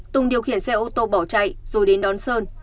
tùng điều khiển xe ô tô bỏ chạy rồi đến đón sơn